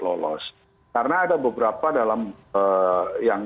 lolos karena ada beberapa dalam yang